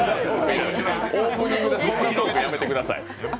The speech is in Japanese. オープニングでそんなトーク、やめてください。